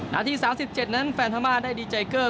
นาที๓๗นั้นแฟนพม่าได้ดีใจเกอร์